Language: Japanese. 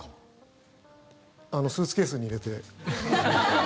スーツケースに入れて。